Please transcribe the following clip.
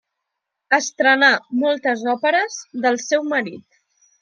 Estrenà moltes òperes del seu marit.